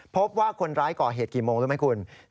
พบว่าคนร้ายก่อเหตุกี่โมงรู้ไหมคุณ